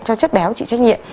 cho chất béo chịu trách nhiệm